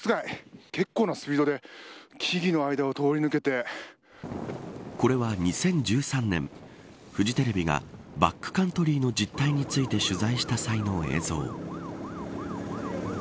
結構なスピードでこれは２０１３年フジテレビがバックカントリーの実態について取材した際の映像。